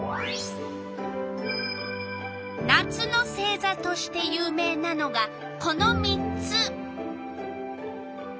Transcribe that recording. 夏の星座として有名なのがこの３つ。